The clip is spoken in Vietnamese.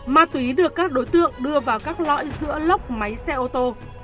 ma túy được các đối tượng đưa vào các lõi giữa lốc máy xe ô tô